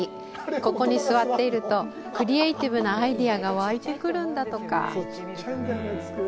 ここに座っているとクリエイティブなアイデアが湧いてくるんだとか。